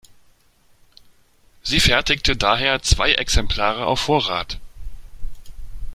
Sie fertigte daher zwei Exemplare auf Vorrat.